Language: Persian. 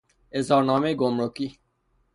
اظهارنامهی گمرکی